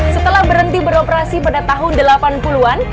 setelah berhenti beroperasi pada tahun delapan puluh an